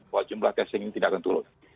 bahwa jumlah testing ini tidak akan turun